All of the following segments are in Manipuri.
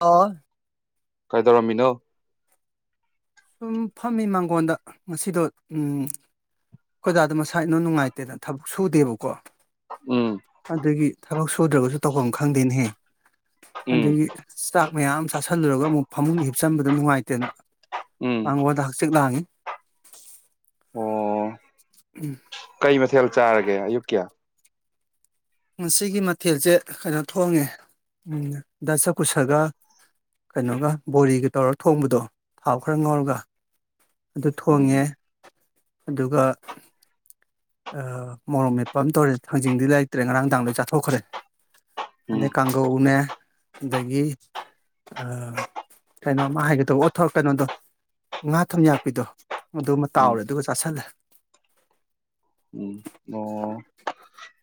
ꯂꯣ ꯀꯩꯗꯧꯔꯝꯃꯤꯅꯣ ꯁꯨꯝ ꯐꯝꯃꯤ ꯃꯥꯡꯒꯣꯟꯗ ꯉꯁꯤꯗꯣ ꯎꯝ ꯈꯣꯏ ꯗꯥꯥꯗꯣ ꯃꯁꯥ ꯏꯅꯨꯡ ꯅꯨꯡꯉꯥꯏꯇꯦꯅ ꯊꯕꯛ ꯁꯨꯗꯦꯕꯀꯣ ꯎꯝ ꯑꯗꯒꯤ ꯊꯕꯛ ꯁꯨꯗ꯭ꯔꯒꯁꯨ ꯇꯧꯐꯝ ꯈꯪꯗꯦꯅꯦꯍꯦ ꯎꯝ ꯑꯗꯒꯤ ꯆꯥꯛ ꯃꯌꯥꯝ ꯑꯃ ꯆꯥꯁꯤꯜꯂꯨꯔꯒ ꯑꯃꯨꯛ ꯐꯃꯨꯡꯗ ꯍꯤꯞꯆꯟꯕꯗ ꯅꯨꯡꯉꯥꯏꯇꯦꯅ ꯎꯝ ꯄꯥꯡꯒꯣ ꯆꯤꯛ ꯂꯥꯡꯉꯤ ꯑꯣ ꯎꯝ꯫ ꯀꯩ ꯃꯊꯦꯜ ꯆꯥꯔꯒꯦ ꯑꯌꯨꯛꯀꯤ꯫ ꯉꯁꯤꯒꯤ ꯃꯊꯦꯜꯁꯦ ꯀꯩꯅꯣ ꯊꯣꯡꯉꯦ ꯗꯁꯆꯥꯀꯨꯁꯥꯒ ꯀꯩꯅꯣꯒ ꯕꯣꯔꯤꯒ ꯇꯧꯔ ꯊꯣꯡꯕꯗꯣ ꯊꯥꯎ ꯈꯔ ꯉꯥꯎꯔꯒ ꯑꯗꯨ ꯊꯣꯡꯉꯦ ꯎꯝ ꯑꯗꯨꯒ ꯑꯥ ꯃꯣꯔꯣꯛ ꯃꯦꯠꯄ ꯑꯃ ꯇꯧꯔꯦ ꯊꯥꯡꯖꯤꯡꯗꯤ ꯂꯩꯇ꯭ꯔꯦ ꯉꯔꯥꯡꯗꯥꯥꯡ ꯂꯣꯏ ꯆꯥꯊꯣꯛꯈ꯭ꯔꯦ ꯎꯝ ꯑꯗꯩ ꯀꯥꯡꯒꯧꯅꯦ ꯑꯗꯒꯤ ꯑ ꯀꯩꯅꯣꯃ ꯍꯥꯏꯒꯦꯇꯧꯕ ꯑꯣꯊꯣꯔ ꯀꯩꯅꯣꯗꯣ ꯉꯥ ꯊꯨꯝꯌꯥꯛꯄꯤꯗꯣ ꯑꯗꯨ ꯑꯃ ꯇꯥꯎꯔꯦ ꯎꯝ ꯑꯗꯨꯒ ꯆꯥꯥꯁꯜꯂꯦ꯫ ꯎꯝ ꯑꯣ꯫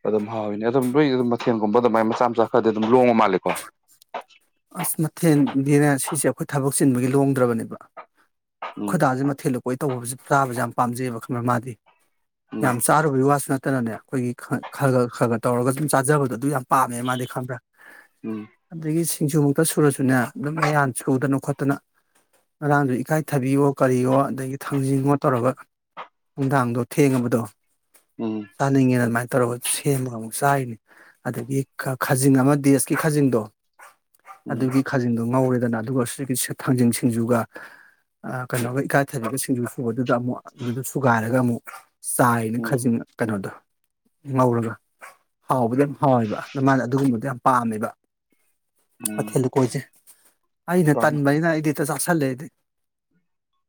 ꯑꯗꯨꯝ ꯍꯥꯎꯋꯤꯅꯦ ꯑꯗꯨꯝ ꯂꯣꯏꯒꯤꯗꯤ ꯑꯗꯨꯝ ꯃꯊꯦꯜꯒꯨꯝꯕ ꯑꯗꯨꯃꯥꯏ ꯃꯆꯥ-ꯃꯆꯥ ꯈꯔꯗꯤ ꯑꯗꯨꯝ ꯂꯣꯡꯕ ꯃꯥꯜꯂꯦꯀꯣ꯫ ꯑꯁ ꯃꯊꯦꯜꯗꯤꯅꯦ ꯁꯤꯁꯦ ꯑꯩꯈꯣꯏ ꯊꯕꯛ ꯆꯤꯟꯕꯒꯤ ꯂꯣꯡꯗ꯭ꯔꯕꯅꯦꯕ꯫ ꯎꯝ ꯈꯣꯏꯗꯥꯁꯦ ꯃꯊꯦꯜꯂꯨꯀꯣꯏ ꯇꯧꯕꯁꯦ ꯆꯥꯕꯁꯦ ꯌꯥꯝ ꯄꯥꯝꯖꯩꯑꯕ ꯈꯪꯕ ꯃꯥꯗꯤ꯫ ꯎꯝ ꯌꯥꯝ ꯆꯥꯔꯨꯕꯒꯤ ꯋꯥꯁꯨ ꯅꯠꯇꯅꯅꯦ ꯑꯩꯈꯣꯏꯒꯤ ꯈꯒ ꯈꯒ ꯈꯒ ꯇꯧꯔꯒ ꯑꯗꯨꯨꯝ ꯆꯥꯖꯕꯗꯣ ꯑꯗꯨ ꯌꯥꯝ ꯄꯥꯝꯃꯦ ꯃꯥꯗꯤ ꯈꯪꯕ꯭ꯔꯥ꯫ [inaudible] ꯑꯗꯒꯤ ꯁꯤꯡꯖꯨꯃꯨꯛꯇ ꯁꯨꯔꯥꯁꯨꯅꯦ ꯑꯗꯨꯝ ꯃꯌꯥꯟ ꯁꯨꯗꯅ ꯈꯣꯠꯇꯅ꯫ ꯉꯥꯡꯗꯨ ꯏꯀꯥꯏꯊꯕꯤꯌꯣ ꯀꯔꯤꯌꯣ ꯑꯗꯒꯤ ꯊꯥꯡꯖꯤꯡꯑꯣ ꯇꯧꯔꯒ ꯅꯨꯡꯗꯥꯡꯗꯣ ꯊꯦꯡꯉꯕꯗꯣ ꯎꯝ ꯆꯥꯅꯤꯡꯉꯦꯅ ꯑꯗꯨꯃꯥꯏꯅ ꯇꯧꯔꯒ ꯁꯦꯝꯃꯒ ꯑꯃꯨꯛ ꯆꯥꯔꯤꯅꯤ꯫ ꯑꯗꯒꯤ ꯈꯥꯖꯤꯡ ꯑꯃ ꯗꯦꯁꯀꯤ ꯈꯥꯖꯤꯡꯗꯣ ꯎꯝ ꯑꯗꯨꯒꯤ ꯈꯥꯖꯤꯡꯗꯣ ꯉꯧꯔꯦꯗꯅ ꯑꯗꯨꯒ ꯁꯤ ꯊꯥꯡꯖꯤꯡ ꯁꯤꯡꯖꯨꯒ ꯑꯥ ꯀꯩꯅꯣꯒ ꯏꯀꯥꯏꯊꯕꯤꯒ ꯁꯤꯡꯖꯨ ꯁꯨꯕꯗꯨꯗ ꯑꯃꯨꯛ ꯑꯗꯨꯗ ꯁꯨꯒꯥꯏꯔꯒ ꯑꯃꯨꯛ ꯆꯥꯏꯔꯤꯅꯦ ꯎꯝ ꯈꯖꯤꯡ ꯀꯩꯅꯣꯗꯣ꯫ ꯉꯧꯔꯒ ꯍꯥꯎꯕꯗꯤ ꯌꯥꯝ ꯍꯥꯎꯋꯦꯕ ꯃꯥꯅ ꯑꯗꯨꯒꯨꯝꯕꯗꯣ ꯌꯥꯝ ꯄꯥꯝꯃꯦꯕ ꯎꯝ ꯃꯊꯦꯜ ꯂꯨꯀꯣꯏꯁꯦ ꯑꯩꯅ ꯄꯥꯝꯃꯦ ꯇꯟꯕꯅꯤꯅ ꯑꯩꯗꯤ ꯍꯦꯛꯇ ꯆꯥꯥꯁꯜꯂꯦ ꯑꯩꯗꯤ꯫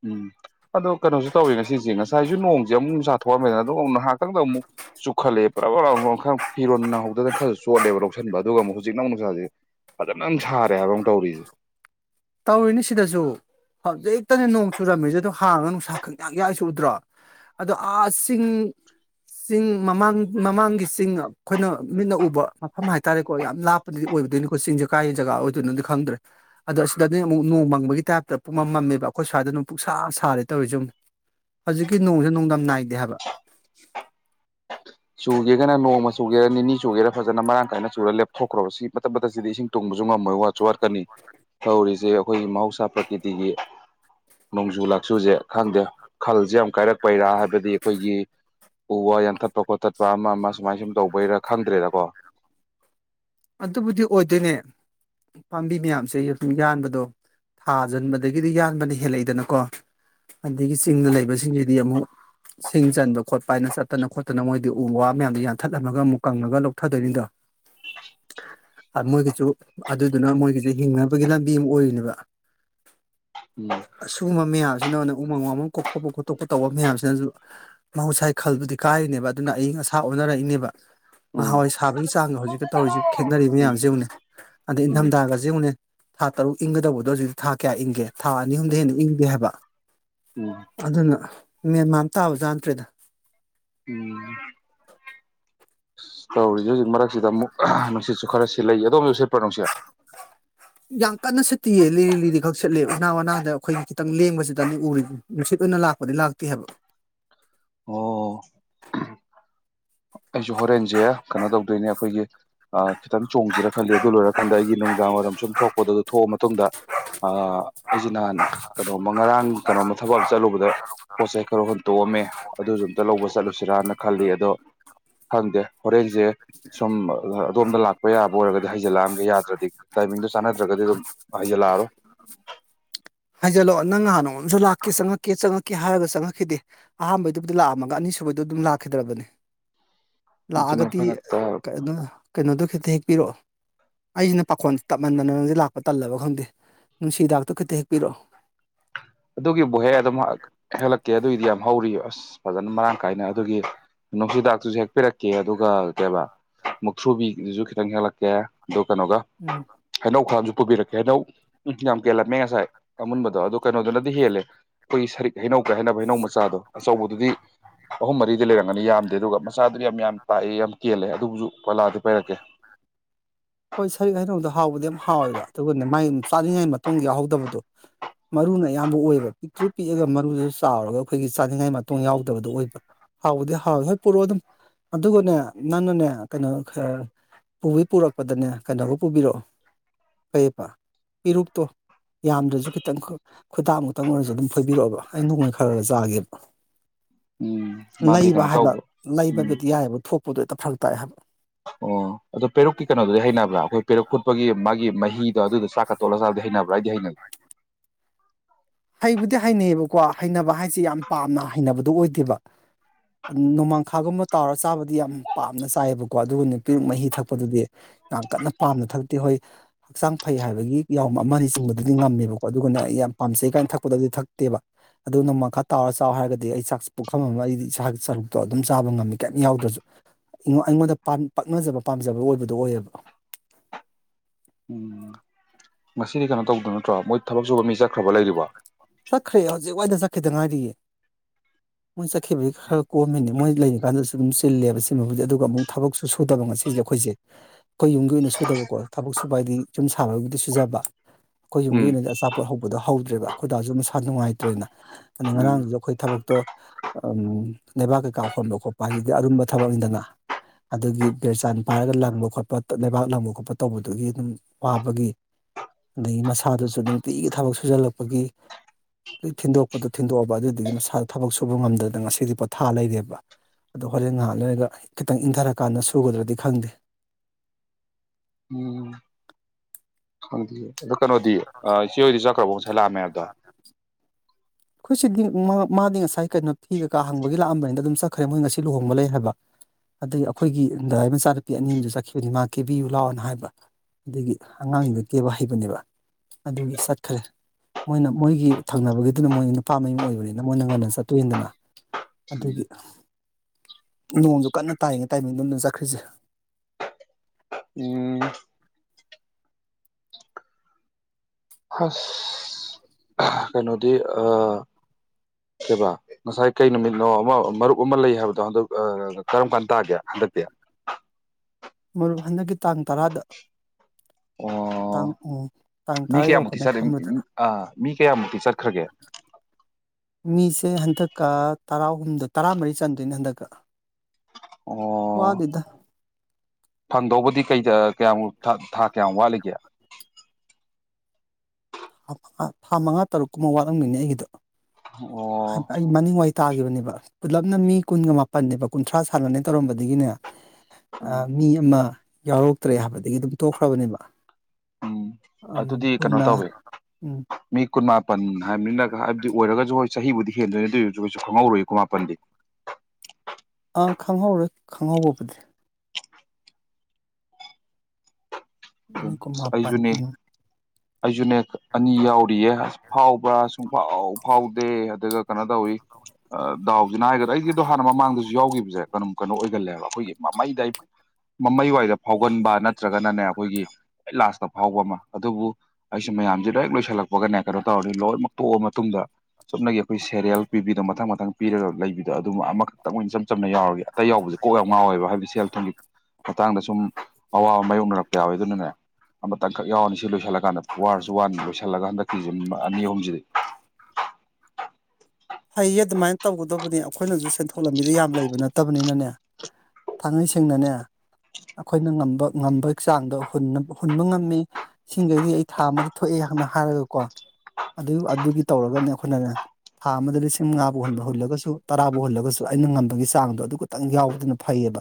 ꯎꯝ꯫ ꯑꯗꯣ ꯀꯩꯅꯣꯁꯨ ꯇꯧꯋꯤ ꯉꯁꯤꯁꯦ ꯉꯁꯥꯏꯁꯨ ꯅꯣꯡꯁꯦ ꯑꯃꯨꯛ ꯅꯨꯡꯁꯥ ꯊꯣꯛꯑꯃꯦꯅ ꯑꯗꯛ ꯅꯍꯛ ꯇꯪꯗ ꯑꯃꯨꯛ ꯆꯨꯈꯠꯂꯛꯑꯦ ꯄꯔꯞ [unintelligible] ꯐꯤꯔꯣꯟ ꯅꯪꯍꯧꯗꯗꯅ ꯈꯔꯁꯨ ꯆꯣꯠꯂꯦꯕ ꯂꯧꯁꯤꯟꯕ ꯑꯗꯨꯒ ꯑꯃꯨꯛ ꯍꯧꯖꯤꯛꯅ ꯃꯨꯛ ꯅꯨꯡꯁꯥꯁꯦ ꯐꯖꯅ ꯑꯃꯨꯛ ꯁꯥꯔꯦ ꯍꯥꯏꯕ ꯑꯃꯨꯛ ꯇꯧꯔꯤꯁꯦ꯫ ꯇꯧꯔꯤꯅꯦ ꯁꯤꯗꯁꯨ ꯍꯧꯖꯤꯛꯇꯅꯤ ꯅꯣꯡ ꯆꯨꯔꯝꯃꯤꯁꯦ ꯑꯗꯣ ꯍꯥꯡꯉꯒ ꯅꯨꯡꯁꯥ ꯈꯪꯌꯥꯛ ꯌꯥꯛꯏꯁꯦ ꯎꯗ꯭ꯔꯣ꯫ ꯑꯗꯣ ꯑꯥ ꯆꯤꯡ ꯆꯤꯡ ꯃꯃꯥꯡ ꯃꯃꯥꯡꯒꯤ ꯆꯤꯡ ꯑꯩꯈꯣꯏꯅ ꯃꯤꯠꯅ ꯎꯕ ꯃꯐꯝ ꯍꯥꯏꯇꯥꯔꯦꯀꯣ ꯌꯥꯝ ꯂꯥꯞ ꯄꯗꯤ ꯑꯣꯏꯕꯗꯣꯏꯅꯤꯀꯣ ꯆꯤꯡꯁꯦ ꯀꯥꯏ ꯖꯒꯥ ꯑꯣꯏꯗꯣꯏꯅꯣꯗꯤ ꯈꯪꯗ꯭ꯔꯦ ꯑꯗꯣ ꯗꯗꯤ ꯑꯃꯨꯛ ꯅꯣꯡ ꯃꯪꯕꯒꯤ ꯇꯥꯏꯞꯇ ꯄꯨꯡꯃꯝ ꯃꯝꯃꯦꯕ ꯑꯩꯈꯣꯏ ꯁ꯭ꯋꯥꯏꯗꯅ ꯑꯃꯨꯛ ꯄꯨꯛꯁꯥ ꯁꯥꯔꯦ ꯇꯧꯔꯤꯁꯤ ꯌꯦꯡꯉꯨ꯫ ꯍꯧꯖꯤꯛꯀꯤ ꯅꯣꯡꯁꯦ ꯅꯣꯡꯗꯝ ꯅꯥꯏꯗꯦ ꯍꯥꯏꯕ꯫ ꯆꯨꯒꯦꯒꯅ ꯅꯣꯡꯃ ꯆꯨꯒꯦꯔꯥ ꯅꯤꯅꯤ ꯆꯨꯒꯦꯔꯥ ꯐꯖꯅ ꯃꯔꯥꯡ ꯀꯥꯏꯅ ꯆꯨꯔꯒ ꯂꯦꯞꯊꯣꯛꯈ꯭ꯔꯣꯕ ꯁꯤ ꯄꯗꯠ-ꯄꯗꯠꯁꯤꯗꯤ ꯏꯁꯤꯡ ꯇꯨꯡꯕꯁꯨ ꯉꯝꯃꯔꯣꯏ ꯋꯥꯠꯁꯨ ꯋꯥꯠꯀꯅꯤ ꯇꯧꯔꯤꯁꯦ ꯑꯩꯈꯣꯏꯒꯤ ꯃꯍꯧꯁꯥ ꯄ꯭ꯔꯀꯤꯇꯤꯒꯤ ꯅꯣꯡꯖꯨ ꯂꯥꯆꯨꯁꯦ ꯈꯪꯗꯦ ꯈꯜꯁꯦ ꯌꯥꯝ ꯀꯥꯏꯔꯛꯄꯩꯔꯥ ꯍꯥꯏꯕꯗꯤ ꯑꯩꯈꯣꯏꯒꯤ ꯎ ꯋꯥ ꯌꯥꯟꯊꯠꯄ ꯈꯣꯊꯠꯄ ꯑꯃ-ꯑꯃ ꯁꯨꯃꯥꯏꯅ ꯁꯨꯝ ꯇꯧꯕꯩꯔꯥ ꯈꯪꯗ꯭ꯔꯦꯗꯀꯣ꯫ ꯑꯗꯨꯕꯨꯗꯤ ꯑꯣꯏꯗꯣꯏꯅꯦ꯫ ꯄꯥꯝꯕꯤ ꯃꯌꯥꯝꯁꯦ ꯑꯗꯨꯝ ꯌꯥꯟꯕꯗꯣ ꯊꯥꯖꯟꯕꯗꯒꯤꯗꯤ ꯌꯥꯟꯕꯅ ꯍꯦꯜꯂꯛꯏꯗꯅꯀꯣ꯫ ꯑꯗꯒꯤ ꯆꯤꯡꯗ ꯂꯩꯕꯁꯤꯡꯁꯤꯗꯤ ꯑꯃꯨꯛ ꯁꯤꯡ ꯆꯟꯕ ꯈꯣꯠꯄ ꯍꯥꯏꯅ ꯆꯠꯇꯅ ꯈꯣꯠꯇꯅ ꯃꯣꯏꯗꯤ ꯎ ꯋꯥ ꯃꯌꯥꯝꯗꯣ ꯌꯥꯟꯊꯠꯂꯝꯃꯒ ꯑꯃꯨꯛ ꯀꯪꯉꯒ ꯂꯧꯊꯗꯣꯏꯅꯤꯗꯣ꯫ ꯃꯣꯏꯒꯤꯁꯨ ꯑꯗꯨꯗꯨꯅ ꯃꯣꯏꯒꯤꯁꯨ ꯍꯤꯡꯅꯕꯒꯤ ꯂꯝꯕꯤ ꯑꯃ ꯑꯣꯏꯔꯤꯅꯦꯕ꯫ ꯎꯝ꯫ ꯑꯁꯤꯒꯨꯝꯕ ꯃꯌꯥꯝꯖꯤꯅ ꯎꯃꯪ ꯋꯥꯃꯪ ꯀꯣꯛꯊꯣꯛꯄ ꯈꯣꯠꯇꯣꯛꯄ ꯇꯧꯕ ꯃꯌꯥꯝꯁꯤꯅꯖꯨ ꯃꯍꯧꯁꯥꯏ ꯈꯜꯕꯨꯗꯤ ꯀꯥꯏꯔꯤꯅꯦꯕ ꯑꯗꯨꯅ ꯑꯏꯪ ꯑꯁꯥ ꯑꯣꯟꯅꯔꯛꯏꯅꯦꯕ꯫ ꯎꯝ ꯅꯍꯋꯥꯏ ꯁꯥꯕꯒꯤ ꯆꯥꯡꯒ ꯍꯧꯖꯤꯛꯀ ꯇꯧꯔꯤꯖꯤ ꯈꯦꯠꯅꯔꯤꯕ ꯎꯝ ꯃꯌꯥꯝꯖꯦ ꯌꯦꯡꯉꯨꯅꯦ ꯑꯗꯩ ꯎꯝ ꯏꯪꯗꯝꯗꯥꯒꯥꯏꯖꯦ ꯌꯦꯡꯉꯨꯅꯦ ꯊꯥ ꯇꯔꯨꯛ ꯏꯟꯒꯗꯧꯕꯗꯣ ꯍꯧꯖꯤꯛꯇꯤ ꯊꯥ ꯀꯌꯥ ꯏꯪꯒꯦ ꯊꯥ ꯑꯅꯤ ꯑꯍꯨꯝꯗꯩ ꯍꯦꯟꯅ ꯏꯪꯗꯦ ꯍꯥꯏꯕ꯫ ꯎꯝ꯫ ꯑꯗꯨꯅ ꯃꯦꯟꯃꯥꯟ ꯇꯥꯕꯖꯥꯠ ꯅꯠꯇ꯭ꯔꯦꯗ꯫ ꯎꯝ꯫ ꯇꯧꯔꯤꯖꯦ ꯍꯧꯖꯤꯛ ꯃꯔꯛꯁꯤꯗ ꯑꯃꯨꯛ ꯅꯨꯡꯁꯤꯠꯁꯨ ꯈꯔ ꯁꯤꯠꯂꯛꯏ ꯑꯗꯣꯝꯖꯨ ꯁꯤꯠꯄ꯭ꯔꯥ ꯅꯨꯡꯁꯤꯠ꯫ ꯌꯥꯝ ꯀꯟꯅ ꯁꯤꯠꯇꯤꯌꯦ ꯂꯤꯔꯤ ꯂꯤꯔꯤ ꯈꯛ ꯁꯠꯂꯦ ꯎꯅꯥ ꯋꯥꯅꯥꯗ ꯑꯩꯈꯣꯏꯒꯤ ꯈꯤꯇꯪ ꯂꯦꯡꯕꯁꯤꯗꯅꯤ ꯎꯔꯤ [unintelligible] ꯅꯨꯡꯁꯤꯠ ꯑꯣꯏꯅ ꯂꯥꯛꯄꯗꯤ ꯂꯥꯛꯇꯦ ꯍꯥꯏꯕ꯫ ꯑꯣ꯫ ꯑꯩꯖꯨ ꯍꯣꯔꯦꯟꯖꯦ ꯀꯩꯅꯣ ꯇꯧꯗꯣꯏꯅꯦ ꯑꯩꯈꯣꯏꯒꯤ ꯑ ꯈꯤꯇꯪ ꯆꯣꯡꯖꯤꯔ ꯈꯜꯂꯤ ꯑꯗꯨ ꯂꯣꯏꯔꯀꯥꯟꯗ ꯑꯩꯒꯤ ꯅꯨꯡꯗꯥꯡ ꯋꯥꯏꯔꯝ ꯁꯨꯝ ꯊꯣꯛꯄꯗꯣ ꯑꯗꯨ ꯊꯣꯛꯑ ꯃꯇꯨꯡꯗ ꯑ ꯑꯩꯖꯤ ꯅꯍꯥꯟ ꯀꯩꯅꯣꯝꯃ ꯉꯔꯥꯡ ꯀꯩꯅꯣꯝꯃ ꯊꯕꯛ ꯑꯃ ꯆꯠꯂꯨꯕꯗ ꯄꯣꯠ ꯆꯩ ꯈꯔ ꯍꯨꯟꯇꯣꯛꯑꯝꯃꯦ ꯑꯗꯨꯖꯨ ꯑꯝꯇ ꯂꯧꯕ ꯆꯠꯂꯨꯁꯤꯔꯅ ꯈꯜꯂꯤ ꯑꯗꯣ ꯈꯪꯗꯦ ꯍꯣꯔꯦꯟꯖꯦ ꯁꯨꯝ ꯑ ꯑꯗꯣꯝꯗ ꯂꯥꯛꯄ ꯌꯥꯕ ꯑꯣꯏꯔꯒꯗꯤ ꯍꯩꯖꯤꯜꯂꯛꯑꯝꯒꯦ ꯌꯥꯗ꯭ꯔꯗꯤ ꯇꯥꯏꯃꯤꯡꯗꯨ ꯆꯥꯟꯅꯗ꯭ꯔꯒꯗꯤ ꯑꯗꯨꯝ ꯍꯥꯏꯖꯤꯜꯂꯛꯑꯔꯣꯏ꯫ ꯍꯥꯏꯖꯜꯂꯛꯑꯣ ꯅꯪ ꯉꯥꯍꯥꯟ ꯅꯣꯡꯃ ꯑꯝꯖꯨ ꯂꯥꯛꯀꯦ ꯆꯪꯉꯛꯀꯦ ꯆꯪꯉꯛꯀꯦ ꯍꯥꯏꯔꯒ ꯆꯪꯉꯛꯈꯤꯗꯦ꯫ ꯑꯍꯥꯟꯕꯩꯗꯨꯕꯨꯗꯤ ꯂꯥꯛꯑꯝꯃꯒ ꯑꯅꯤꯁꯨꯕꯩꯗꯣ ꯑꯗꯨꯝ ꯂꯥꯛꯈꯤꯗ꯭ꯔꯕꯅꯤ꯫ ꯑꯗꯨꯅ ꯂꯥꯛꯑꯒꯗꯤ ꯐꯔꯛ ꯇꯥꯔꯕ ꯀꯩꯅꯣ ꯀꯩꯅꯣꯗꯨ ꯈꯤꯇ ꯍꯦꯛꯄꯤꯔꯛꯑꯣ꯫ ꯑꯩꯖꯤꯅ ꯄꯥꯈꯣꯟ ꯇꯞꯃꯟꯗꯅ ꯅꯪꯖꯦ ꯂꯥꯛꯄ ꯇꯜꯂꯕ ꯈꯪꯗꯦ ꯅꯨꯡꯁꯤꯗꯥꯛꯇꯣ ꯈꯤꯇ ꯍꯦꯛꯄꯤꯔꯛꯑꯣ꯫ ꯑꯗꯨꯒꯤꯕꯨ ꯍꯦꯛ ꯑꯗꯨꯝ ꯍꯦꯛꯂꯛꯀꯦ ꯑꯗꯨꯒꯤꯗꯤ ꯌꯥꯝ ꯍꯧꯔꯤ ꯑꯁ ꯐꯖꯅ ꯃꯔꯥꯡ ꯀꯥꯏꯅ ꯑꯗꯨꯒꯤ ꯅꯨꯡꯁꯤꯗꯥꯛꯇꯖꯨ ꯍꯦꯛꯄꯤꯔꯛꯀꯦ ꯑꯗꯨꯒ ꯀꯩꯕꯥ ꯃꯨꯛꯊ꯭ꯔꯨꯕꯤ ꯑꯗꯨꯖꯨ ꯈꯤꯇꯪ ꯍꯦꯛꯂꯛꯀꯦ ꯑꯗꯨꯒ ꯀꯩꯅꯣꯒ ꯎꯝ ꯀꯩꯅꯣꯒ ꯍꯩꯅꯧ ꯈꯔꯖꯨ ꯄꯨꯕꯤꯔꯛꯀꯦ ꯍꯩꯅꯧ ꯑꯨꯝ ꯌꯥꯝ ꯀꯦꯜꯂꯝꯃꯦ ꯉꯁꯥꯏ ꯑꯃꯨꯟꯕꯗꯣ ꯑꯗꯨ ꯀꯩꯅꯣꯗꯨꯅꯗꯤ ꯍꯦꯜꯂꯦ ꯑꯩꯈꯣꯏꯒꯤ ꯁꯔꯤꯛ ꯍꯩꯅꯧꯀꯥꯏ ꯍꯥꯏꯅꯕ ꯍꯩꯅꯧ ꯃꯆꯥꯗꯣ ꯑꯆꯧꯕꯗꯨꯗꯤ ꯑꯍꯨꯝ ꯃꯔꯤꯗꯤ ꯂꯩꯔꯝꯒꯅꯤ ꯌꯥꯝꯗꯦ ꯑꯗꯨꯒ ꯃꯆꯥꯗꯨꯗꯤ ꯌꯥꯝ ꯌꯥꯝ ꯇꯥꯛꯑꯦ ꯌꯥꯝ ꯀꯦꯜꯂꯦ ꯑꯗꯨꯕꯨꯖꯨ ꯄꯂꯥꯛꯑꯗꯤ ꯄꯥꯏꯔꯛꯀꯦ꯫ ꯍꯣꯏ ꯁꯔꯤꯛ ꯍꯩꯅꯧꯗꯣ ꯍꯥꯎꯕꯗꯤ ꯌꯥꯝ ꯍꯥꯎꯋꯦꯕ ꯑꯗꯨꯒꯅꯦ ꯃꯥꯏ ꯆꯥꯅꯤꯡꯉꯥꯏ ꯃꯇꯣꯡ ꯌꯥꯎꯍꯧꯗꯕꯗꯣ ꯃꯔꯨꯅ ꯑꯌꯥꯝꯕ ꯑꯣꯏꯕ ꯄꯤꯛꯇ꯭ꯔꯨ ꯄꯤꯛꯑꯒ ꯃꯔꯨꯗꯨ ꯆꯥꯎꯔꯒ ꯑꯩꯈꯣꯏꯒꯤ ꯆꯥꯅꯤꯡꯉꯥꯏ ꯃꯇꯣꯡ ꯌꯥꯎꯗꯕꯗꯣ ꯑꯣꯏꯕ꯫ ꯍꯥꯎꯕꯨꯗꯤ ꯍꯥꯎꯋꯦ ꯍꯣꯏ ꯄꯨꯔꯛꯑꯣ ꯑꯗꯨꯝ ꯑꯗꯨꯒꯅꯦ ꯅꯪꯅꯅꯦ ꯀꯩꯅꯣꯗꯣ ꯈꯔ ꯄꯨꯕꯤ ꯄꯨꯔꯛꯄꯗꯅꯦ ꯀꯩꯅꯣꯗꯣ ꯄꯨꯕꯤꯔꯛꯑꯣ ꯀꯩꯕ ꯄꯤꯔꯨꯛꯇꯣ꯫ ꯌꯥꯝꯗ꯭ꯔꯖꯨ ꯈꯤꯇꯪ ꯈꯨꯗꯥꯞꯑꯝꯇꯪ ꯑꯣꯏꯔꯖꯨ ꯑꯗꯨꯝ ꯐꯣꯏꯕꯤꯔꯛꯑꯣꯕ ꯑꯩ ꯅꯣꯡꯃꯩ ꯈꯔ ꯈꯔ ꯆꯥꯒꯦꯕ꯫ ꯎꯝ ꯃꯥꯗꯤ ꯂꯩꯕ ꯀꯩꯅꯣ ꯍꯥꯏꯕ ꯇꯧꯕ ꯎꯝ ꯂꯩꯕꯕꯨꯗꯤ ꯌꯥꯏꯑꯕ ꯊꯣꯛꯄꯗꯣ ꯍꯦꯛꯇ ꯐꯔꯛ ꯇꯥꯏ ꯍꯥꯏꯕ꯫ ꯑꯣ ꯑꯗꯣ ꯄꯦꯔꯨꯛꯀꯤ ꯀꯩꯅꯣꯗꯨꯗꯤ ꯍꯩꯅꯕ꯭ꯔꯥ ꯑꯩꯈꯣꯏ ꯄꯦꯔꯨꯛ ꯐꯨꯠꯄꯒꯤ ꯃꯥꯒꯤ ꯃꯍꯤꯗꯣ ꯑꯗꯨꯗꯣ ꯆꯥꯛꯀ ꯇꯣꯠꯂ ꯆꯥꯕꯗꯤ ꯍꯩꯅꯕ꯭ꯔꯥ ꯑꯩꯗꯤ ꯍꯩꯅꯩ꯫ ꯍꯩꯕꯨꯗꯤ ꯍꯩꯅꯩꯌꯦꯕꯀꯣ ꯍꯩꯅꯕ ꯍꯥꯏꯁꯤ ꯌꯥꯝ ꯄꯥꯝꯅ ꯍꯩꯅꯕꯗꯨ ꯑꯣꯏꯗꯦꯕ꯫ ꯑꯟ ꯅꯣꯡꯃꯥꯡꯈꯥꯒꯨꯝꯕ ꯇꯥꯎꯔ ꯆꯥꯕꯗꯤ ꯌꯥꯝ ꯄꯥꯝꯅ ꯆꯥꯏꯌꯦꯕꯀꯣ ꯑꯗꯨꯒ ꯅꯨꯄꯤꯔꯨꯛ ꯃꯍꯤ ꯊꯛꯄꯗꯨꯗꯤ ꯌꯥꯝ ꯀꯟꯅ ꯄꯥꯝꯅ ꯊꯛꯇꯦ ꯍꯣꯏ꯫ ꯍꯛꯆꯥꯡ ꯐꯩ ꯍꯥꯏꯕꯒꯤ ꯌꯥꯎꯝ ꯑꯃ ꯑꯅꯤ ꯆꯤꯡꯕꯗꯨꯗꯤ ꯉꯝꯃꯦꯕꯀꯣ ꯑꯗꯨꯒꯅꯦ ꯑꯩ ꯌꯥꯝ ꯄꯥꯝꯖꯩ ꯀꯥꯏꯅ ꯊꯛꯄꯗꯣ ꯑꯗꯨꯗꯤ ꯊꯛꯇꯦꯕ꯫ ꯑꯗꯨ ꯅꯣꯡꯃꯪꯈꯥ ꯇꯥꯎꯔ ꯆꯥꯎ ꯍꯥꯏꯔꯒꯗꯤ ꯑꯩ ꯆꯥꯛ ꯄꯨꯈꯝ ꯑꯃ ꯑꯩꯗꯤ ꯆꯥꯛ ꯁꯔꯨꯛꯇꯣ ꯑꯗꯨꯝ ꯆꯥꯕ ꯉꯝꯃꯤ ꯀꯩꯝ ꯌꯥꯎꯗ꯭ꯔꯁꯨ ꯑꯩ ꯑꯩꯉꯣꯟꯗ ꯄꯥꯟ ꯄꯛꯅꯖꯕ ꯄꯥꯝꯖꯕ ꯑꯣꯏꯕꯗꯣ ꯑꯣꯏꯌꯦꯕ ꯀꯣ ꯎꯝ ꯉꯁꯤꯗꯤ ꯀꯩꯅꯣ ꯇꯧꯗ ꯅꯠꯇ꯭ꯔꯣ ꯃꯣꯏ ꯊꯕꯛ ꯁꯨꯕ ꯃꯤ ꯆꯠꯈ꯭ꯔꯕ ꯂꯩꯔꯤꯕꯣ ꯆꯠꯈ꯭ꯔꯦ ꯍꯧꯖꯤꯛ ꯋꯥꯏꯗ ꯆꯠꯈꯤꯗ ꯉꯥꯏꯔꯤꯌꯦ [inaudible] ꯃꯣꯏ ꯆꯠꯈꯤꯕꯒꯤ ꯈꯔ ꯀꯣꯝꯃꯤꯅꯤ ꯃꯣꯏ ꯂꯩꯔꯤꯀꯥꯟꯗꯁꯨ ꯑꯗꯨꯝ ꯆꯤꯜꯂꯦꯕ ꯁꯤꯃꯕꯨꯗꯤ ꯑꯗꯨꯒ ꯑꯃꯨꯛ ꯊꯕꯛꯁꯨ ꯁꯨꯗꯕ ꯉꯁꯤꯁꯦ ꯑꯩꯈꯣꯏꯁꯦ ꯑꯩꯈꯣꯏ ꯌꯨꯝꯒꯤ ꯑꯣꯏꯅ ꯁꯨꯗꯕꯀꯣ ꯊꯕꯛ ꯁꯨꯕ ꯍꯥꯏꯗꯤ ꯌꯨꯝ ꯁꯥꯕꯒꯤꯗꯤ ꯁꯨꯖꯕ ꯑꯩꯈꯣꯏ ꯌꯨꯝꯒꯤ ꯎꯝ ꯑꯣꯏꯅꯗꯤ ꯑꯆꯥꯄꯣꯠ ꯍꯧꯕꯗꯣ ꯍꯧꯗ꯭ꯔꯦꯕ ꯑꯩꯈꯣꯏꯗꯥꯁꯨ ꯃꯁꯥ ꯅꯨꯡꯉꯥꯏꯇ꯭ꯔꯦꯅ ꯑꯗꯩ ꯎꯝ ꯉꯔꯥꯡꯗꯨꯁꯨ ꯑꯩꯈꯣꯏ ꯊꯕꯛꯇꯣ ꯎꯝ ꯂꯩꯕꯥꯛ ꯀꯩꯀꯥ ꯍꯣꯟꯕ ꯈꯣꯠꯄ ꯍꯥꯏꯁꯤꯗꯤ ꯑꯔꯨꯝꯕ ꯊꯕꯛꯅꯤꯗꯅ ꯑꯗꯨꯒꯤ ꯕꯦꯔꯆꯥꯟ ꯄꯥꯏꯔꯒ ꯂꯪꯕ ꯈꯣꯠꯄ ꯂꯩꯕꯥꯛ ꯂꯪꯕ ꯈꯣꯠꯄ ꯇꯧꯕꯗꯨꯒꯤ ꯑꯗꯨꯝ ꯋꯥꯕꯒꯤ ꯑꯗꯒꯤ ꯃꯁꯥꯗꯨꯁꯨ ꯅꯨꯡꯇꯤꯒꯤ ꯊꯕꯛ ꯁꯨꯖꯜꯂꯛꯄꯒꯤ ꯑꯗꯨ ꯊꯤꯟꯗꯣꯛꯄꯗꯣ ꯊꯤꯟꯗꯣꯛꯑꯕ ꯑꯗꯨꯗꯨꯒꯤ ꯃꯁꯥꯗꯣ ꯊꯕꯛ ꯁꯨꯕ ꯉꯝꯗꯗꯅ ꯉꯁꯤꯗꯤ ꯄꯣꯊꯥꯔ ꯂꯩꯔꯦꯕ ꯑꯗꯣ ꯍꯣꯔꯦꯟ ꯉꯍꯥꯛ ꯂꯩꯔꯒ ꯈꯤꯇꯪ ꯏꯪꯊꯔꯀꯥꯟꯗ ꯁꯨꯒꯗ꯭ꯔꯗꯤ ꯈꯪꯗꯦ ꯈꯪꯗꯤꯌꯦ ꯑꯗ ꯀꯩꯅꯣꯗꯤ ꯑ ꯏꯆꯦꯍꯣꯏꯗꯤ ꯆꯥꯠꯈ꯭ꯔꯕꯣ ꯉꯁꯥꯏ ꯂꯥꯛꯑꯃꯦ ꯍꯥꯏꯕꯗꯣ ꯑꯩꯈꯣꯏ ꯁꯤꯗꯤ ꯃ ꯃꯥꯗꯤ ꯉꯁꯥꯏ ꯀꯩꯅꯣ ꯐꯤ ꯀꯩ ꯀꯥ ꯍꯪꯕꯒꯤ ꯂꯥꯛꯑꯝꯕꯅꯤꯗ ꯑꯗꯨꯝ ꯆꯠꯈ꯭ꯔꯦ ꯃꯣꯏ ꯉꯁꯤ ꯂꯨꯍꯣꯡꯕ ꯂꯩ ꯍꯥꯏꯕ ꯑꯗꯒꯤ ꯑꯩꯈꯣꯏꯒꯤ ꯗꯗꯥꯏ ꯃꯆꯥꯅꯨꯄꯤ ꯑꯅꯤꯝꯖꯨ ꯆꯠꯈꯤꯕꯅꯤ ꯃꯥ ꯀꯦꯕꯤꯌꯨ ꯂꯥꯎꯅ ꯍꯥꯏꯕ ꯑꯗꯨꯒꯤ ꯑꯉꯥꯡꯒꯤꯗꯤ ꯀꯦꯕ ꯍꯩꯕꯅꯦꯕ ꯑꯗꯨꯒꯤ ꯆꯠꯈ꯭ꯔꯦ ꯃꯣꯏꯅ ꯃꯣꯏꯒꯤ ꯊꯪꯅꯕꯒꯤꯗꯨꯅ ꯃꯣꯏ ꯅꯨꯄꯥ ꯃꯌꯨꯝ ꯑꯣꯏꯕꯅꯤꯅ ꯃꯣꯏꯅ ꯉꯟꯅ ꯆꯠꯇꯣꯏꯅꯤꯗꯅ ꯑꯗꯨꯒꯤ ꯅꯣꯡꯁꯨ ꯀꯟꯅ ꯇꯥꯏꯉꯩ ꯇꯥꯏꯃꯤꯡꯗꯣꯝꯅꯤ ꯆꯠꯈ꯭ꯔꯤꯁꯦ ꯎꯝ ꯑꯁ ꯀꯩꯅꯣꯗꯤ ꯑ ꯀꯦꯕꯥ ꯉꯁꯥꯏ ꯀꯩ ꯅꯨꯃꯤꯠꯅꯣ ꯑꯃ ꯃꯔꯨꯞ ꯑꯃ ꯂꯩ ꯍꯥꯏꯕꯗꯣ ꯍꯟꯗꯛ ꯑ [inaudible] ꯃꯔꯨꯞ ꯍꯟꯗꯛꯀꯤ ꯇꯥꯡ ꯇꯔꯥꯗ ꯑꯣ ꯇꯥꯡ ꯎꯝ ꯇꯥꯡ ꯃꯤ ꯇꯔꯥ ꯀꯌꯥꯃꯨꯛꯇꯤ ꯌꯧꯔꯛꯀꯅꯤ ꯆꯠ ꯈꯟꯕꯗ ꯑ ꯃꯤ ꯀꯌꯥꯃꯨꯛꯇꯤ ꯆꯠꯈ꯭ꯔꯒꯦ ꯃꯤꯁꯦ ꯍꯟꯗꯛꯀ ꯇꯔꯥꯍꯨꯝꯗꯣꯏ ꯇꯔꯥꯃꯔꯤ ꯆꯟꯗꯣꯏꯅꯦ ꯍꯟꯗꯛꯀ ꯑꯣ ꯋꯥꯗꯦꯗ ꯐꯪꯗꯧꯕꯗꯤ ꯀꯩꯗ ꯀꯌꯥꯃꯨꯛ ꯊ ꯊꯥ ꯀꯌꯥꯝ ꯋꯥꯠꯂꯤꯒꯦ ꯑꯞ ꯑ ꯊꯥ ꯃꯉꯥ ꯇꯔꯨꯛ ꯀꯨꯝꯕ ꯋꯥꯠꯂꯝꯒꯤꯅꯤ ꯑꯩꯒꯤꯗꯣ ꯍ ꯑꯣ ꯑꯩ ꯃꯅꯤꯡ ꯋꯥꯏ ꯇꯥꯈꯤꯕꯅꯦꯕ ꯄꯨꯂꯞꯅ ꯃꯤ ꯀꯨꯟꯒ ꯃꯥꯄꯟꯅꯦꯕ ꯀꯨꯟꯊ꯭ꯔꯥ ꯁꯥꯟꯅꯅꯦ ꯇꯧꯔꯝꯕꯗꯒꯤꯅꯦ ꯑ ꯎꯝ ꯃꯤ ꯑꯃ ꯌꯥꯎꯔꯛꯇ꯭ꯔꯦ ꯍꯥꯏꯕꯗꯒꯤ ꯑꯗꯨꯝ ꯇꯣꯛꯈ꯭ꯔꯕꯅꯦꯕ ꯎꯝ ꯑꯝ ꯑꯗꯨꯗꯤ ꯀꯩꯅꯣ ꯄꯨꯟꯅ ꯇꯧꯋꯦ ꯎꯝ ꯃꯤ ꯀꯨꯟꯃꯥꯄꯟ ꯍꯥꯏꯕꯅꯤꯅ ꯍꯥꯏꯕꯗꯤ ꯑꯣꯏꯔꯒꯁꯨ ꯍꯣꯏ ꯆꯍꯤꯕꯨꯗꯤ ꯍꯦꯟꯗꯣꯏꯅꯤ ꯑꯗꯨ ꯑꯣꯏꯔꯁꯨ ꯀꯩꯁꯨ ꯈꯪꯍꯧꯔꯨꯏ ꯀꯨꯟꯃꯥꯄꯟꯗꯤ ꯑꯥ ꯈꯪꯍꯧꯔꯣꯏ ꯈꯪꯍꯧꯕꯕꯨꯗꯤ ꯃꯤ ꯀꯨꯟꯃꯥꯄꯟ ꯑꯩꯖꯨꯅꯦ ꯎꯝ ꯑꯩꯖꯨꯅꯦ ꯑꯅꯤ ꯌꯥꯎꯔꯤꯌꯦ ꯑꯁ ꯐꯥꯎꯕ꯭ꯔꯥ ꯁꯨꯡꯐꯥꯎ ꯐꯥꯎꯗꯦ ꯑꯗꯨꯒ ꯀꯩꯅꯣ ꯇꯧꯋꯤ ꯑ ꯗꯥꯎꯁꯤꯅ ꯍꯥꯏꯒꯗ꯭ꯔꯥ ꯑꯩꯒꯤꯗꯣ ꯍꯥꯟꯅ ꯃꯃꯥꯡꯗꯁꯨ ꯌꯥꯎꯈꯤꯕꯁꯦ ꯀꯩꯅꯝ ꯀꯩꯅꯣ ꯑꯣꯏꯒꯜꯂꯦꯕ ꯑꯩꯈꯣꯏꯒꯤ ꯃꯃꯩꯗ ꯃꯃꯩ ꯋꯥꯏꯗ ꯐꯥꯎꯒꯟꯕ ꯅꯠꯇ꯭ꯔꯒꯅꯅꯦ ꯑꯩꯈꯣꯏꯒꯤ ꯈ꯭ꯋꯥꯏ ꯂꯥꯁꯇ ꯐꯥꯎꯕ ꯑꯃ ꯑꯗꯨꯕꯨ ꯑꯩꯁꯦ ꯃꯌꯥꯝꯁꯦ ꯗꯥꯏꯔꯦꯛ ꯂꯣꯏꯁꯤꯜꯂꯛꯄꯒꯅꯦ ꯀꯩꯅꯣ ꯇꯧꯔꯅꯤ ꯂꯣꯏꯅꯃꯛ ꯇꯣꯛꯑ ꯃꯇꯨꯡꯗ ꯆꯨꯞꯅꯒꯤ ꯑꯩꯈꯣꯏ ꯁꯦꯔꯦꯜ ꯄꯤꯕꯤꯗꯣ ꯃꯊꯪ ꯃꯊꯪ ꯄꯤꯔꯒ ꯂꯩꯕꯤꯗꯣ ꯑꯗꯨꯝ ꯑꯃꯈꯛꯇꯪ ꯑꯣꯏꯅ ꯏꯆꯝ ꯆꯝꯅ ꯌꯥꯎꯔꯒꯦ ꯑꯇꯩ ꯌꯥꯎꯕꯖꯦ ꯀꯣꯛ ꯌꯥꯝ ꯉꯥꯎꯋꯦꯕ ꯍꯥꯏꯕꯗꯤ ꯁꯦꯜ ꯊꯨꯝꯒꯤ ꯃꯇꯥꯡꯗ ꯁꯨꯝ ꯑꯋꯥꯕ ꯃꯥꯏꯌꯣꯛꯅꯔꯛ ꯌꯥꯋꯦ ꯑꯗꯨꯅꯅꯦ ꯑꯃ ꯇꯪ ꯈꯛ ꯌꯥꯎꯔꯝꯃꯦ ꯁꯤ ꯂꯣꯏꯁꯤꯜꯂꯀꯥꯟꯗ ꯋꯥꯔꯁꯨ ꯋꯥꯟꯅ ꯂꯣꯏꯁꯤꯜꯂꯒ ꯍꯟꯗꯛꯀꯤꯖꯤꯝ ꯑꯅꯤ ꯑꯍꯨꯝꯁꯤꯗꯤ ꯐꯩꯌꯦ ꯑꯗꯨꯃꯥꯏꯅ ꯇꯧꯒꯗꯕꯅꯤ ꯑꯩꯈꯣꯏꯅꯁꯨ ꯁꯦꯟꯊꯣꯛ ꯂꯝꯕꯤꯗꯤ ꯌꯥꯝ ꯂꯩꯕ ꯅꯠꯇꯕꯅꯤꯅꯅꯦ ꯊꯥꯡꯉꯩꯁꯦꯡꯅꯅꯦ ꯑꯩꯈꯣꯏꯅ ꯉꯝꯕ ꯉꯝꯕ ꯆꯥꯡꯗ ꯍꯨꯟꯅꯕ ꯍꯨꯟꯕ ꯉꯝꯃꯤ ꯁꯤꯝꯒꯩꯗꯤ ꯑꯩ ꯊꯥ ꯑꯃꯗ ꯊꯣꯛꯑꯦ ꯍꯥꯟꯅ ꯍꯥꯏꯔꯒꯀꯣ ꯑꯗꯨꯝ ꯑꯗꯨꯒꯤ ꯇꯧꯔꯒꯅꯦ ꯑꯩꯈꯣꯏꯅꯅꯦ ꯊꯥ ꯑꯃꯗ ꯂꯤꯁꯤꯡ ꯃꯉꯥꯕꯨ ꯍꯨꯟꯕ ꯍꯨꯜꯂꯒꯁꯨ ꯇꯔꯥꯕꯨ ꯍꯨꯜꯂꯒꯁꯨ ꯑꯩꯅ ꯉꯝꯕꯒꯤ ꯆꯥꯡꯗꯣ ꯑꯗꯨ ꯈꯛꯇꯪ ꯌꯥꯎꯕꯗꯨꯅ ꯐꯜꯂꯦꯕ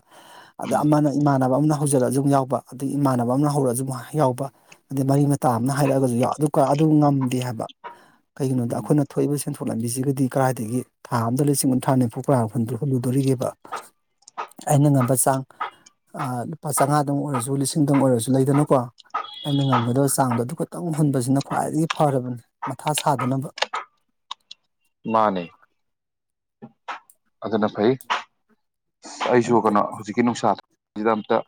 ꯑꯗ ꯑꯃꯅ ꯏꯃꯥꯟꯅꯕ ꯑꯃꯅ ꯍꯧꯖꯔꯛꯑꯁꯨ ꯑꯗꯨꯝ ꯌꯥꯎꯕ ꯑꯗꯒꯤ ꯏꯃꯥꯟꯅꯕ ꯑꯃꯅ ꯍꯧꯔꯛꯑꯁꯨ ꯑꯗꯨꯝ ꯌꯥꯎꯕ ꯑꯗꯩ ꯃꯔꯤ ꯃꯇꯥ ꯑꯃꯅ ꯍꯥꯏꯔꯛꯑꯒꯁꯨ ꯌꯥꯎ ꯑꯗꯨꯀ ꯑꯗꯨ ꯉꯝꯗꯦ ꯍꯥꯏꯕ ꯀꯩꯒꯤꯅꯣꯗ ꯎꯝ ꯑꯩꯈꯣꯏꯅ ꯊꯣꯛꯏꯕ ꯁꯦꯟꯊꯣꯛ ꯂꯝꯕꯤꯁꯤꯒꯗꯤ ꯀꯔꯥꯏꯗꯒꯤ ꯊꯥ ꯑꯃꯗ ꯂꯤꯁꯤꯡ ꯀꯨꯟꯊ꯭ꯔꯥ ꯅꯤꯐꯨ ꯀꯅꯥ ꯍꯨꯟꯗꯣꯏ ꯍꯨꯜꯂꯨꯗꯣꯔꯤꯒꯦꯕ ꯑꯩꯅ ꯉꯝꯕ ꯆꯥꯡ ꯑ ꯂꯨꯄꯥ ꯆꯥꯝꯃꯉꯥꯗꯪ ꯑꯣꯏꯔꯁꯨ ꯂꯤꯁꯤꯡꯗꯪ ꯑꯣꯏꯔꯁꯨ ꯂꯩꯗꯅꯀꯣ ꯑꯩꯅ ꯉꯝꯒꯗꯕ ꯆꯥꯡꯗꯣ ꯑꯗꯨꯈꯇꯪ ꯍꯨꯟꯕꯁꯤꯅ ꯈ꯭ꯋꯥꯏꯗꯒꯤ ꯐꯔꯕꯅꯤ ꯃꯊꯥ ꯁꯥꯗꯅꯕ ꯃꯥꯅꯦ ꯑꯗꯨꯅ ꯐꯩ ꯑꯗꯨ ꯑꯩꯁꯨ ꯀꯩꯅꯣ ꯍꯧꯖꯤꯛꯀꯤ ꯅꯨꯡꯁꯥꯁꯤꯗ ꯑꯝꯇ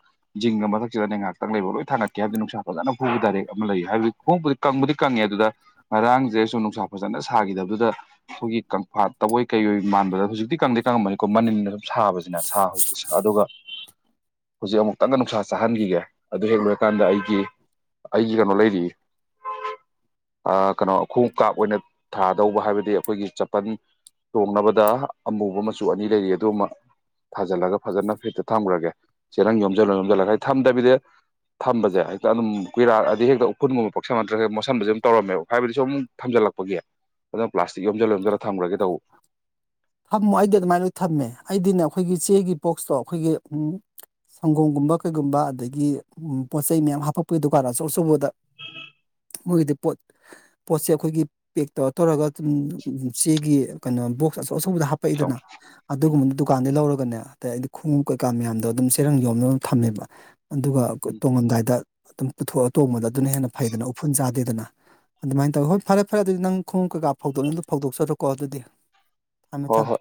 ꯖꯤꯡꯒ ꯃꯊꯛꯁꯤꯗ ꯉꯍꯥꯛꯇꯪ ꯂꯩꯕ ꯂꯣꯏ ꯊꯥꯡꯒꯠꯀꯦ ꯍꯥꯏꯕꯗꯩ ꯅꯨꯡꯁꯥ ꯐꯖꯅ ꯐꯨꯕ ꯗꯥꯏꯔꯦꯛ ꯑꯃ ꯂꯩ ꯍꯥꯏꯕꯗꯤ [unintelligible] ꯀꯪꯕꯨꯗꯤ ꯀꯪꯉꯦ ꯑꯗꯨꯗ ꯉꯔꯥꯡꯁꯦ ꯁꯨꯝ ꯅꯨꯡꯁꯥ ꯐꯖꯅ ꯁꯥꯒꯤꯗꯕꯗꯨꯗ ꯑꯩꯈꯣꯏꯒꯤ ꯀꯪꯐꯥꯠ ꯇꯕꯣꯏ ꯀꯩꯋꯣꯏ ꯃꯥꯟꯕꯗꯣ ꯍꯧꯖꯤꯛꯇꯤ ꯀꯪꯗꯤ ꯀꯪꯉꯝꯃꯅꯤꯀꯣ ꯃꯅꯤꯟꯅ ꯑꯗꯨꯝ ꯁꯥꯕꯁꯤꯅ ꯁꯥ ꯍꯧꯖꯤꯛꯀꯤ ꯁꯥ ꯑꯗꯨꯒ ꯍꯧꯖꯤꯛ ꯑꯃꯨꯛꯇꯪꯒ ꯅꯨꯡꯁꯥ ꯆꯥꯍꯟꯈꯤꯒꯦ ꯑꯗꯨ ꯍꯦꯛ ꯂꯣꯏꯔꯀꯥꯟꯗ ꯑꯩꯒꯤ ꯑꯩꯒꯤ ꯀꯩꯅꯣ ꯂꯩꯔꯤ ꯑ ꯀꯩꯅꯣ ꯈꯣꯡꯉꯨꯞ ꯀꯥꯞ ꯑꯣꯏꯅ ꯊꯥꯗꯧꯕ ꯍꯥꯏꯕꯗꯤ ꯑꯩꯈꯣꯏꯒꯤ ꯆꯄꯟ__ ꯇꯣꯡꯅꯕꯗ ꯑꯃꯨꯕ ꯃꯆꯨ ꯑꯅꯤ ꯂꯩꯔꯤ ꯑꯗꯨ ꯑꯃ ꯊꯥꯖꯤꯜꯂꯒ ꯐꯖꯅ ꯐꯤꯠꯇ ꯊꯝꯒ꯭ꯔꯒꯦ ꯆꯦꯔꯪ ꯌꯣꯝꯖꯜꯂ ꯌꯣꯝꯖꯜꯂꯒ ꯊꯝꯗꯕꯤꯗ ꯊꯝꯕꯖꯦ ꯍꯦꯛꯇ ꯑꯗꯨꯝ ꯀꯨꯏꯔꯛ ꯑꯗꯤ ꯍꯦꯛꯇ ꯎꯐꯨꯟ ꯅꯨꯡꯃꯨꯛ ꯄꯛꯁꯟꯕ ꯅꯠꯇ꯭ꯔꯒ ꯍꯦꯛ ꯃꯣꯠꯁꯤꯟꯕꯁꯦ ꯑꯗꯨꯝ ꯇꯧꯔꯃꯦꯕ ꯍꯥꯏꯕꯗꯤ ꯁꯨꯝ ꯊꯝꯖꯤꯜꯂꯛ__ ꯄꯒꯤ ꯑꯗꯨꯅ ꯄ꯭ꯂꯥꯁꯇꯤꯛ ꯌꯣꯝꯖꯜ ꯌꯣꯝꯖꯜꯂ ꯊꯝꯒ꯭ꯔꯒꯦ ꯇꯧꯕ ꯊꯝꯃꯣ ꯑꯩꯗꯤ ꯑꯗꯨꯃꯥꯏꯅ ꯂꯣꯏ ꯊꯝꯃꯦ ꯑꯩꯗꯤꯅꯦ ꯑꯩꯈꯣꯏꯒꯤ ꯆꯦꯒꯤ ꯕꯣꯛꯁꯇꯣ ꯑꯩꯈꯣꯏꯒꯤ ꯎꯝ ꯁꯪꯒꯣꯝꯒꯨꯝꯕ ꯀꯩꯒꯨꯝꯕ ꯑꯗꯒꯤ ꯎꯝ ꯄꯣꯠ ꯆꯩ ꯃꯌꯥꯝ ꯍꯥꯞꯄꯛꯄꯒꯤ ꯗꯨꯀꯥꯟ ꯑꯆꯧ ꯑꯆꯧꯕꯗ ꯃꯣꯏꯒꯤꯗꯤ ꯄꯣꯠ ꯄꯣꯠꯁꯦ ꯑꯩꯈꯣꯏꯒꯤ ꯄꯦꯛ ꯇꯧꯔ ꯇꯧꯔꯒꯗꯨꯝ ꯎꯝ ꯆꯦꯒꯤ ꯀꯩꯅꯣ ꯕꯣꯛꯁ ꯑꯆꯧ__ [unintelligible] ꯑꯆꯧꯕꯗ ꯈꯤꯇꯪ ꯍꯥꯞꯄꯛꯏꯗꯅ ꯑꯗꯨꯒꯨꯝꯕꯗꯨ ꯗꯨꯀꯥꯟꯗꯩ ꯂꯧꯔꯒꯅꯦ ꯇꯌꯥꯏꯗꯤ ꯈꯣꯡꯉꯨꯞ ꯀꯩꯀꯥ ꯃꯌꯥꯝꯗꯣ ꯑꯗꯨꯝ ꯆꯦꯔꯪꯗ ꯌꯣꯝꯃ ꯌꯣꯝ ꯊꯝꯃꯦꯕ ꯑꯗꯨꯒ ꯀꯣ ꯎꯝ ꯇꯣꯡꯉꯝꯗꯥꯏꯗ ꯑꯗꯨꯝ ꯄꯨꯊꯣꯛꯑ ꯇꯣꯡꯕꯗꯣ ꯑꯗꯨꯅ ꯍꯦꯟꯅ ꯐꯩꯗꯅ ꯎꯐꯨꯟ ꯆꯥꯗꯦꯗꯅ ꯑꯗꯨꯃꯥꯏꯅ ꯇꯧꯋꯤ ꯍꯣꯏ ꯐꯔꯦ ꯐꯔꯦ ꯑꯗꯨꯗꯤ ꯅꯪ ꯈꯣꯡꯎꯞ ꯀꯩꯀꯥ ꯐꯧꯗꯣꯛꯅꯤ ꯗꯨ ꯐꯧꯗꯣꯛꯆꯔꯣꯀꯣ ꯑꯗꯨꯗꯤ ꯊꯝꯃꯦ ꯍꯣꯏ ꯍꯣꯏ ꯊꯝꯃꯦ